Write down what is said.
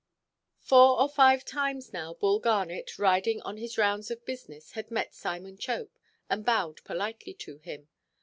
Four or five times now, Bull Garnet, riding on his rounds of business, had met Simon Chope, and bowed politely to him.